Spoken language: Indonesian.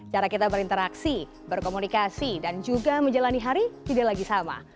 cara kita berinteraksi berkomunikasi dan juga menjalani hari tidak lagi sama